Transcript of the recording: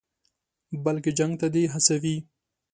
بلکې جنګ ته دې هڅوي.